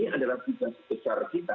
ini adalah tiga secara kita